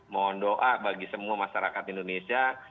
mohon doa bagi semua masyarakat indonesia